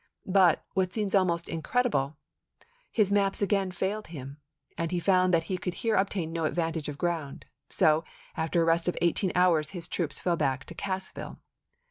But, what seems almost incred ible, his maps again failed him, and he found that he could here obtain no advantage of ground ; so, after a rest of eighteen hours, his troops fell back ibid., p. 320. to Cassville.